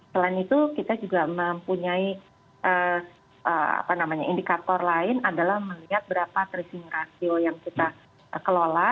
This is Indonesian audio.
selain itu kita juga mempunyai indikator lain adalah melihat berapa tracing rasio yang kita kelola